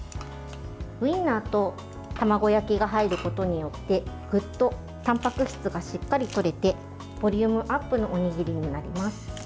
ウインナーと卵焼きが入ることによってぐっとたんぱく質がしっかり取れてボリュームアップのおにぎりになります。